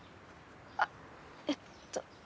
あえっと。